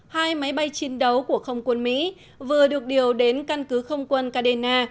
hai máy bay chiến đấu của không quân mỹ vừa được điều đến căn cứ không quân kadena